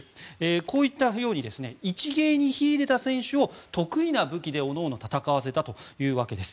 こういったように一芸に秀でた選手を得意な武器で各々戦わせたというわけです。